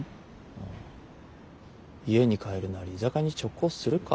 家に帰るなり居酒屋に直行するか？